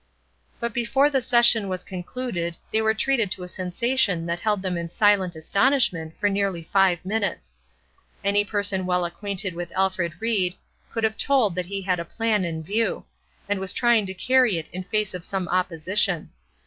But before the session was concluded they were treated to a sensation that held them in silent astonishment for nearly five minutes. Any person well acquainted with Alfred Ried could have told that he had a plan in view, and was trying to carry it in the face of some opposition.